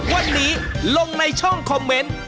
วันนี้ลงในช่องคอมเมนต์